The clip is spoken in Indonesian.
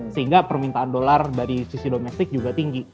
sehingga permintaan dolar dari sisi domestik juga tinggi